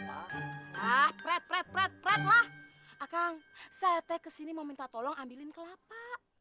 ah ah ah akang saya teh kesini mau minta tolong ambilin kelapa